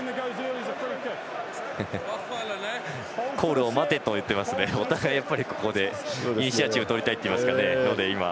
コールを待てと言っていますね。お互い、やっぱりここでイニシアチブをとりたいので。